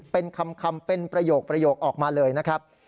เป็นคำเป็นประโยคออกมาเลยนะครับ